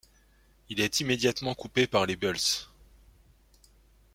Il est immédiatement coupé par les Bulls.